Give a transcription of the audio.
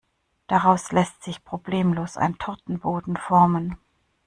Daraus lässt sich problemlos ein Tortenboden formen.